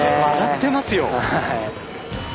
笑ってますよ。